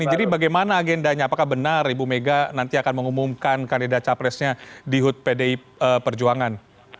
jadi bagaimana agendanya apakah benar ibu mega nanti akan mengumumkan kandidat capresnya di hud pdi perjuangan